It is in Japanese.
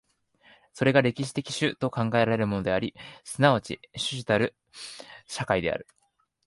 それが歴史的種と考えられるものであり、即ち種々なる社会である。